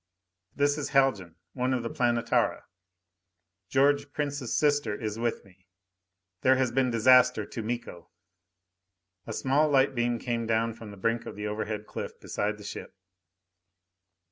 This is Haljan, one of the Planetara. George Prince's sister is with me. There has been disaster to Miko. A small light beam came down from the brink of the overhead cliff beside the ship.